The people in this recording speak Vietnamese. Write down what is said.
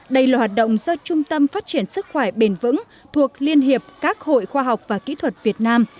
đây là hoạt động do trung tâm phát triển sức khỏe bền vững thuộc liên hiệp các hội khoa học và kỹ thuật việt nam